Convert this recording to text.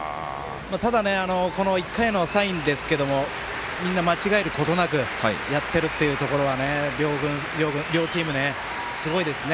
ただ、１回のサインですがみんな間違えることなくやってるというところは両チーム、すごいですね。